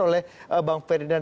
oleh bang ferdinand